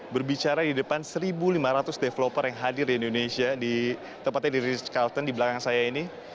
berbicara di depan satu lima ratus developer yang hadir di indonesia di tempatnya di rizk calton di belakang saya ini